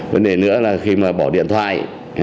vấn đề nữa là khi mà bỏ điện thoại